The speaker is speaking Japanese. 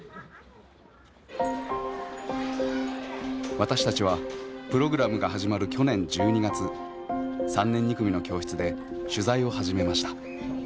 私たちはプログラムが始まる去年１２月３年２組の教室で取材を始めました。